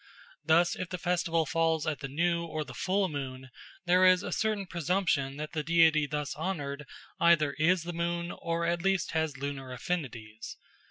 Thus, if the festival falls at the new or the full moon, there is a certain presumption that the deity thus honoured either is the moon or at least has lunar affinities.